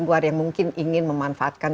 luar yang mungkin ingin memanfaatkan